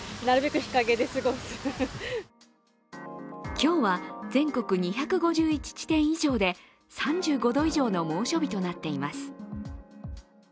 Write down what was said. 今日は全国２３５地点以上で３５度以上の猛暑日となっています。